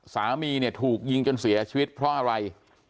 สามีเนี่ยถูกยิงจนเสียชีวิตเพราะอะไร